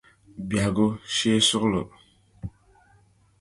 Bɛhigu shee suɣulo.